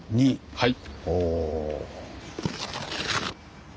はい。